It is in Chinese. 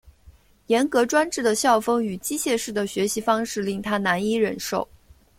严格专制的校风与机械式的学习方式令他难以忍受。